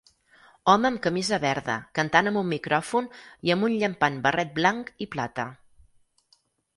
Home amb camisa verda cantant amb un micròfon i amb un llampant barret blanc i plata.